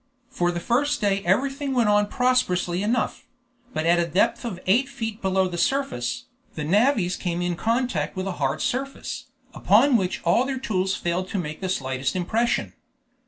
For the first day everything went on prosperously enough; but at a depth of eight feet below the surface, the navvies came in contact with a hard surface, upon which all their tools failed to make the slightest impression.